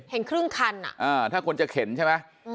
เห็นครึ่งคันอ่ะอ่าถ้าคนจะเข็นใช่ไหมอืม